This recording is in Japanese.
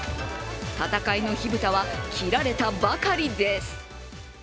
戦いの火蓋は切られたばかりです。